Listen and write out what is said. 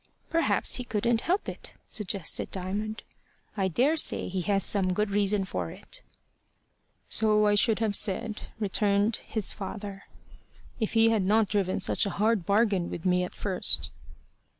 "Perhaps he couldn't help it," suggested Diamond. "I daresay he has some good reason for it." "So I should have said," returned his father, "if he had not driven such a hard bargain with me at first."